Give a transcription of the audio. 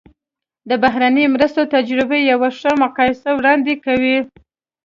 د بهرنیو مرستو تجربه یوه ښه مقایسه وړاندې کوي.